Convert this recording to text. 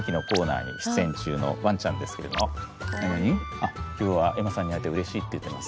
あっ「今日はエマさんに会えてうれしい」と言っています。